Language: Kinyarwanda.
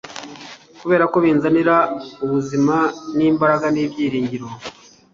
kuberako binzanira ubuzima, n'imbaraga, n'ibyiringiro